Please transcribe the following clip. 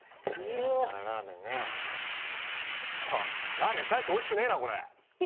ラーメン大しておいしくねえな。